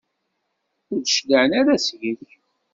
Ur d-cliɛen ara seg-k?